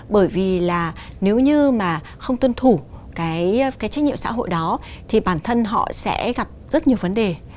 bởi vì là nếu như mà không tuân thủ cái trách nhiệm xã hội đó thì bản thân họ sẽ gặp rất nhiều vấn đề